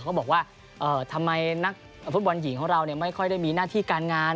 ก็บอกว่าทำไมนักฟุตบอลหญิงของเราไม่ค่อยได้มีหน้าที่การงาน